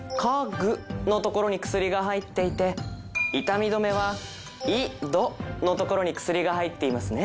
「ぐ」のところに薬が入っていて「いたみどめ」は「い」「ど」のところに薬が入っていますね